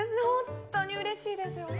本当にうれしいです。